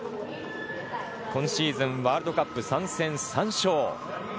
今シーズンワールドカップ３戦３勝。